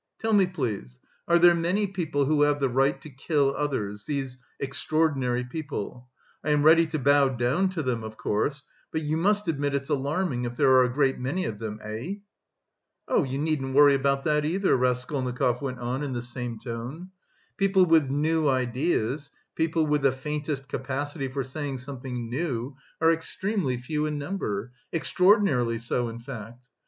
Tell me, please, are there many people who have the right to kill others, these extraordinary people? I am ready to bow down to them, of course, but you must admit it's alarming if there are a great many of them, eh?" "Oh, you needn't worry about that either," Raskolnikov went on in the same tone. "People with new ideas, people with the faintest capacity for saying something new, are extremely few in number, extraordinarily so in fact.